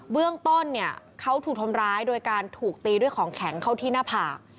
เบื้องต้นเนี่ยเขาถูกทำร้ายโดยการถูกตีด้วยของแข็งเข้าที่หน้าผาก